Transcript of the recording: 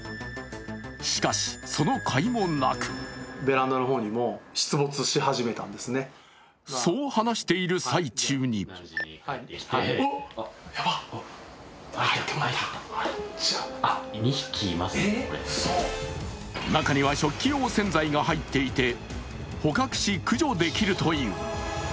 しかし、そのかいもなくそう話している最中に中には食器用洗剤が入っていて捕獲し、駆除できるという。